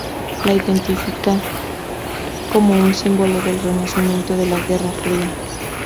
La identifica como un símbolo del renacimiento de la Guerra Fría.